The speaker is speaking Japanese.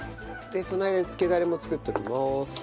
その間につけダレも作っときます。